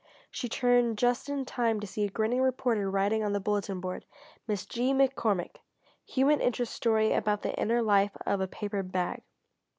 She turned just in time to see a grinning reporter writing on the bulletin board: "Miss G. McCormick Human interest story about the inner life of a paper bag."